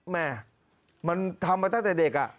แม่มันทำมาตั้งแต่เด็ก